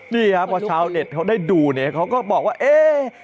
นี่ครับพอชาวเน็ตเขาได้ดูเนี่ยเขาก็บอกว่าเอ๊ะ